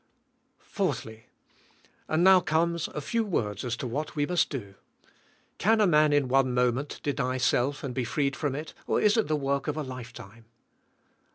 4. And now comes a few words as to what we must do. Can a man in one moment deny self and be freed from it, or is it the work of a lifetime.